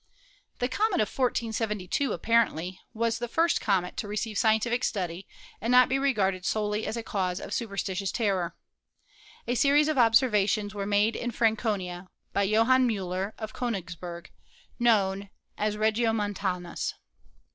The comet of 1472, apparently, was the first comet to receive scientific study and not be regarded solely as a cause of superstitious terror. A series of observations were made in Franconia by Johann Miiller, of Konigsberg, known as Regiomontanus.